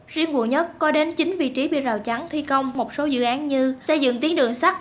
riêng nguồn nhất có đến chín vị trí bị rào chắn thi công một số dự án như xây dựng tuyến đường sắt